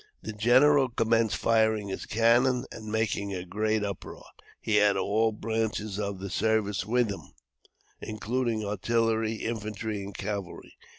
The general commenced firing his cannon and making a great uproar. He had all branches of the service with him, including artillery, infantry and cavalry.